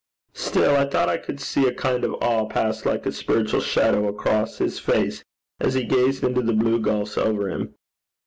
Still, I thought I could see a kind of awe pass like a spiritual shadow across his face as he gazed into the blue gulfs over him.